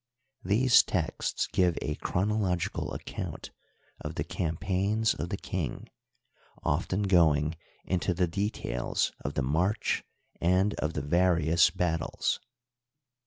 These texts give a chronological account of the campaigns of the king, often going into the details of the march and of the various batUes.